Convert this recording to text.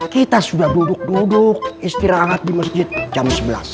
kita sudah duduk duduk istirahat di masjid jam sebelas